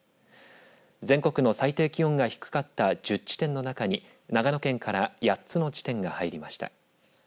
全国の最低気温が低かった１０地点の中に長野県から８つの地点が入りました。